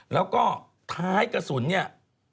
แล้วก็ท้ายกระสุนเนี่ย